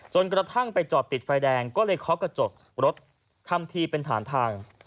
จนกระทั่งไปจอดติดไฟแดงก็เลยเคาะกระจกรถทำทีเป็นฐานทาง